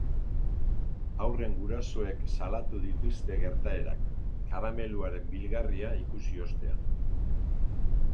Haurren gurasoek salatu dituzte gertaerak, karameluaren bilgarria ikusi ostean.